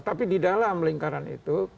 tapi di dalam lingkaran itu